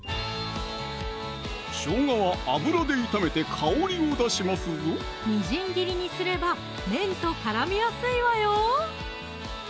しょうがは油で炒めて香りを出しますぞみじん切りにすれば麺と絡みやすいわよ